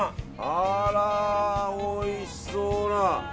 あらー、おいしそうな。